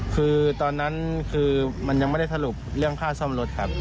คือตอนนั้นคือมันยังไม่ได้สรุปเรื่องค่าซ่อมรถครับ